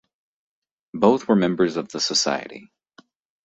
Both were members of the society.